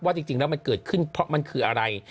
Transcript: ว่าจริงแล้วมันเกิดขึ้นมันคืออะไร